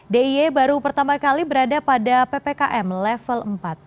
d i e baru pertama kali berada pada ppkm level empat